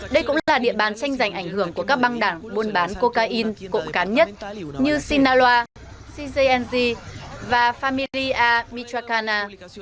đây cũng là địa bàn tranh giành ảnh hưởng của các bang đảng buôn bán cocaine cộng cán nhất như sinaloa cjng và familia michoacana